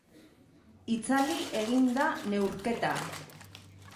Itzali egin da neurketa.